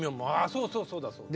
そうそうそうだそうだ。